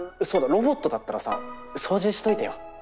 ロボットだったらさ掃除しといてよ。